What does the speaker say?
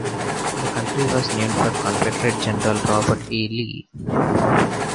The county was named for Confederate general Robert E. Lee.